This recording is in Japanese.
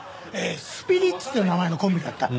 スピリッツって名前のコンビだった。